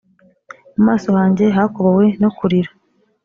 mu maso hanjye hakobowe no kurira